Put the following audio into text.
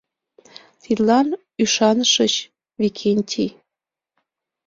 Тидлан ӱшанышыч, Викентий?